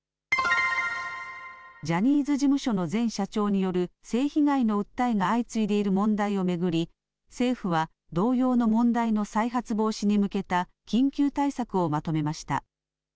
ジャニーズ事務所の前社長による性被害の訴えが相次いでいる問題を巡り、政府は同様の問題の再発防止に向けた緊急対策をまとめました。